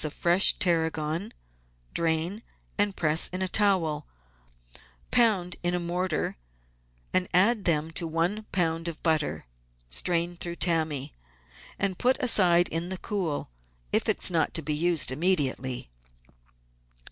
of fresh tarragon, drain, press in a towel, pound in a mortar, and add to them one lb. of butter. Strain through tammy, and put aside in the cool if it is not to be used immediately.